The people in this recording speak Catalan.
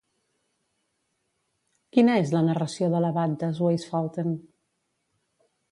Quina és la narració de l'abat de Zweifalten?